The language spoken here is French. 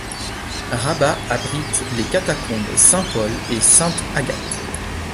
Rabat abrite les catacombes Saint-Paul et Sainte-Agathe.